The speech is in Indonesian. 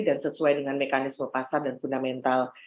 dan sesuai dengan mekanisme pasar dan fundamental